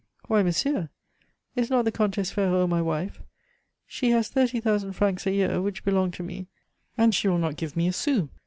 "Why, monsieur, is not the Comtesse Ferraud my wife? She has thirty thousand francs a year, which belong to me, and she will not give me a son.